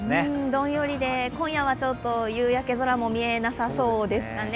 どんよりで、今夜は夕焼け空も見えなさそうですかね。